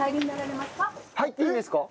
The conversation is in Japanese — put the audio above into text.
入っていいんですか？